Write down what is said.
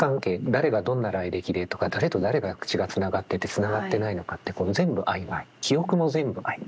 誰がどんな来歴でとか誰と誰が血がつながっててつながってないのかって全部曖昧記憶も全部曖昧。